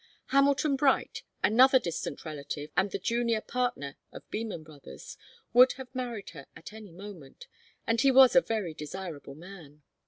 Hamilton Bright, another distant relative and the junior partner of Beman Brothers, would have married her at any moment, and he was a very desirable man.